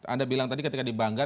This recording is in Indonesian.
anda bilang tadi ketika dibanggar